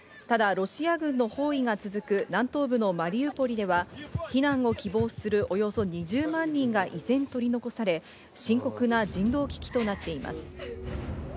ただロシア軍の包囲が続く南東部のマリウポリでは避難を希望するおよそ２０万人が依然、取り残され深刻な人道危機となっています。